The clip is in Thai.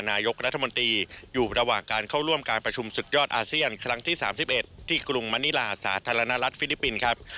นายกรัฐมนตรีอยู่ระหว่างการเข้าร่วมการประชุมสุดยอดอาเซียนครั้งที่๓๑ที่กรุงมณิลาสาธารณรัฐฟิลิปปินส์ครับ